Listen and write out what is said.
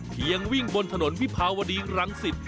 เพียงวิ่งบนถนนพิพาวดีรังสิต